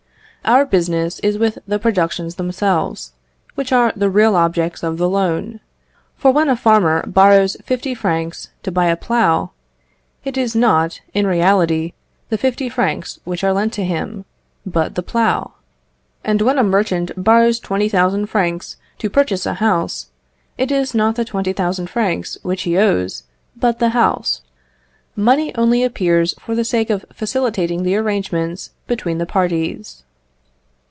Our business is with the productions themselves, which are the real objects of the loan; for when a farmer borrows fifty francs to buy a plough, it is not, in reality, the fifty francs which are lent to him, but the plough; and when a merchant borrows 20,000 francs to purchase a house, it is not the 20,000 francs which he owes, but the house. Money only appears for the sake of facilitating the arrangements between the parties.